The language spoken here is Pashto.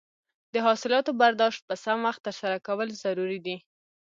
د حاصلاتو برداشت په سم وخت ترسره کول ضروري دي.